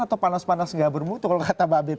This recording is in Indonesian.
atau panas panas nggak bermutu kalau kata mbak bip